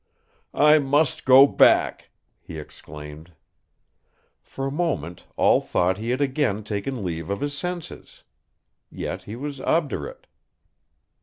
"I must go back," he exclaimed. For a moment all thought he had again taken leave of his senses. Yet he was obdurate.